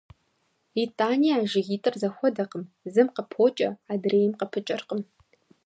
ИтӀани а жыгитӏыр зэхуэдэкъым: зым къыпокӀэ, адрейм къыпыкӀэркъым.